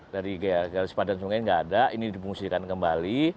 dari garis padan sungai ini gak ada ini dipungsikan kembali